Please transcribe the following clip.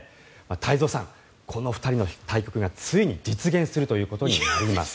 太蔵さん、この２人の対局がついに実現するということになります。